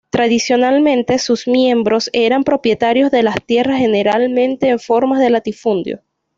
Tradicionalmente, sus miembros eran propietarios de las tierras, generalmente en forma de latifundios.